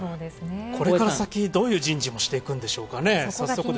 これから先、どういう人事をしていくんでしょうかね。